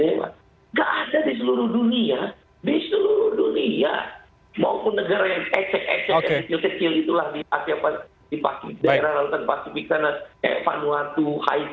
daerah laluan pasifik sana kayak vanuatu haiti